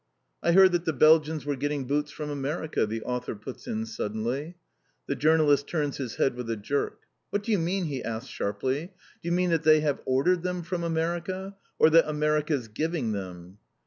"I heard that the Belgians were getting boots from America," the author puts in suddenly. The journalist turns his head with a jerk. "What do you mean," he asks sharply. "Do you mean that they have ordered them from America, or that America's giving them."